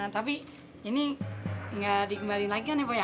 tapi ini nggak dikembali lagi kan ya pak ya